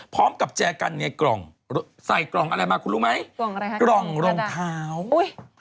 แจกันในกล่องใส่กล่องอะไรมาคุณรู้ไหมกล่องอะไรคะกล่องรองเท้าอุ้ย